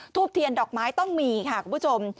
เทียนดอกไม้ต้องมีค่ะคุณผู้ชม